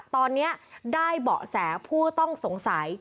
ตอนนี้ได้เบาะแสผู้ต้องสงสัย